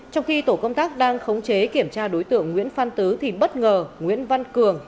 trong khi tổ công tác đang khống chế kiểm tra đối tượng nguyễn phan tứ thì bất ngờ nguyễn văn cường